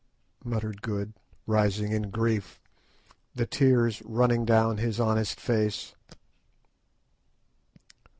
muttered Good, rising in grief, the tears running down his honest face.